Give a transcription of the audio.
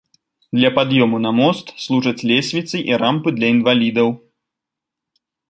Для пад'ёму на мост служаць лесвіцы і рампы для інвалідаў.